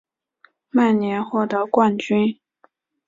曼联获得冠军。